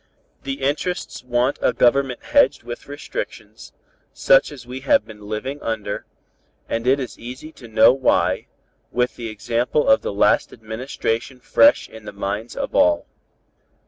"The interests want a Government hedged with restrictions, such as we have been living under, and it is easy to know why, with the example of the last administration fresh in the minds of all.